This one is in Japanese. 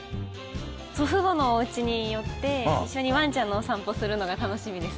祖父母のおうちによって、一緒にわんちゃんのお散歩するのが楽しみです。